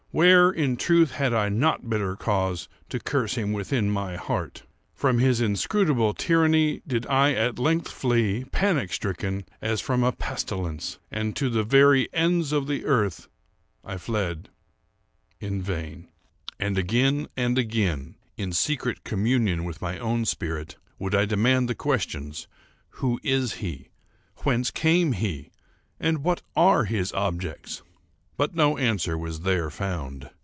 Where, in truth, had I not bitter cause to curse him within my heart? From his inscrutable tyranny did I at length flee, panic stricken, as from a pestilence; and to the very ends of the earth I fled in vain. And again, and again, in secret communion with my own spirit, would I demand the questions "Who is he?—whence came he?—and what are his objects?" But no answer was there found.